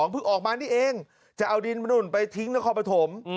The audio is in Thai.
พึ่งออกมานี่เองจะเอาดินไปนู่นไปทิ้งแล้วเข้าไปถม